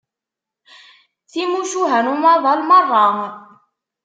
Timucuha n umaḍal merra.